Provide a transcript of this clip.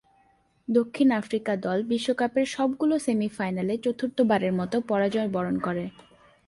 দক্ষিণ আফ্রিকা দল বিশ্বকাপের সবগুলো সেমি-ফাইনালে চতুর্থবারের মতো পরাজয়বরণ করে।